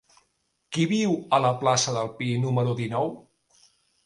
Qui viu a la plaça del Pi número dinou?